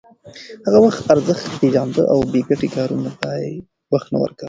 هغه د وخت ارزښت پېژانده او بې ګټې کارونو ته وخت نه ورکاوه.